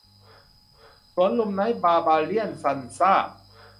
สวนลุมไนท์บาร์บาเรี่ยนซัลซ่า !